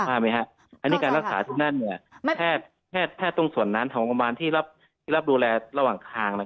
อันนี้การรักษาที่นั่นแพทย์ตรงส่วนนั้นของโรงพยาบาลที่รับดูแลระหว่างทาง